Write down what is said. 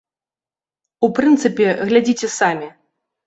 У прынцыпе, глядзіце самі.